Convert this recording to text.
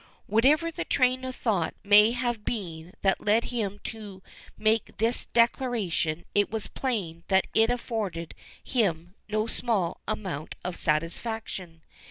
Whatever the train of thought may have been that led him to make this declaration, it was plain that it afforded him no small amount of satisfaction.